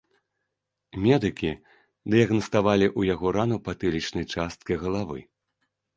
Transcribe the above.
Медыкі дыягнаставалі ў яго рану патылічнай часткі галавы.